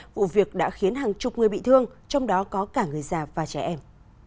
vụ việc đã khiến hàng chục người bị thương trong đó có cả người già và trẻ em